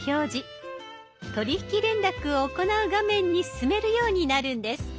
取引連絡を行う画面に進めるようになるんです。